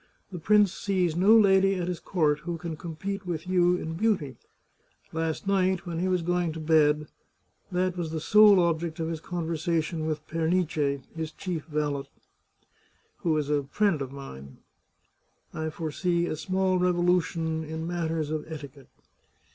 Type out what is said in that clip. The prince sees no lady at his court who can compete with you in beauty ; last night, when he was going to bed, that was the sole subject of his conversation with Pernice, his chief valet, who is a friend of mine. I foresee a small revolution in matters of etiquette.